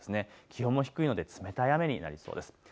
気温も低いので冷たい雨になりそうです。